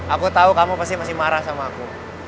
aku tahu kamu pasti masih marah sama aku